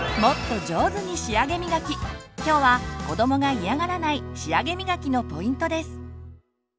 今日は子どもが嫌がらない仕上げみがきのポイントです。